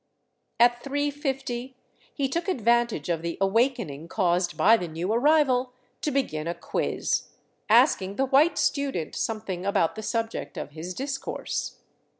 At 3 150 he took advantage of the awakening caused by the new arrival to begin a quiz, asking the white student some thing about the subject of his discourse.